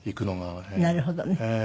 なるほどね。